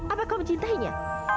apa kau mencintainya